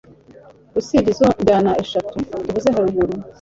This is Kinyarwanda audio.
usibye izo njyana eshatu tuvuze haruguru